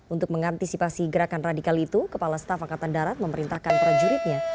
untuk mengantisipasi gerakan radikal itu kepala staf angkatan darat memerintahkan prajuritnya